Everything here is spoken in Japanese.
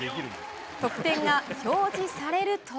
得点が表示されると。